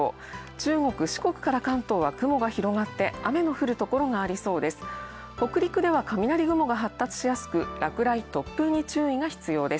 中国、四国から関東は雲が広がって雨の降る所がありそうです。